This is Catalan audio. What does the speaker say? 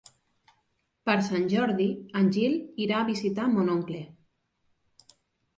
Per Sant Jordi en Gil irà a visitar mon oncle.